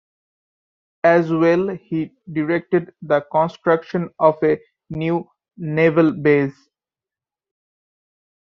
As well he directed the construction of a new naval base.